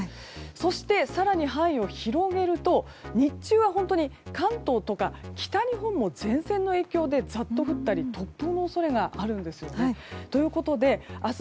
そして更に範囲を広げると日中は本当に関東とか北日本も前線の影響でざっと降ったり突風の恐れがあるんですよね。ということで、明日